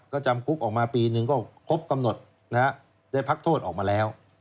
ก็จำคุกออกมาปีนึงก็ครบกำหนดนะฮะได้พักโทษออกมาแล้ว